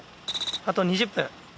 あと２０分。